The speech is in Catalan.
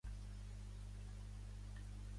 Les armes provenien de l'exèrcit espanyol.